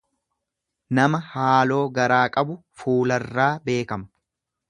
Nama haaloo garaa qabu fuularraa beekama.